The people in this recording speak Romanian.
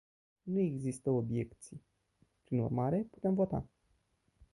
Nu există obiecții, prin urmare putem vota.